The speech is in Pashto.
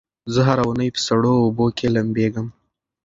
زه هره اونۍ په سړو اوبو کې لمبېږم.